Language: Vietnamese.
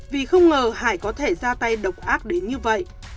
vì không ngờ hải có thể ra tay độc ác đến như vậy